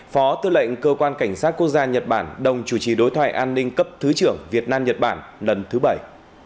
phó tư lệnh cơ quan cảnh sát quốc gia nhật bản đồng chủ trì đối thoại an ninh cấp thứ trưởng việt nam nhật bản lần thứ bảy